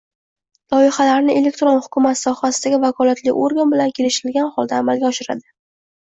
loyihalarini elektron hukumat sohasidagi vakolatli organ bilan kelishilgan holda amalga oshiradi.